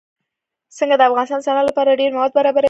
ځمکه د افغانستان د صنعت لپاره ډېر مواد برابروي.